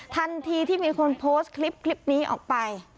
ทันทีที่มีคนโพสต์คลิปนี้ออกไป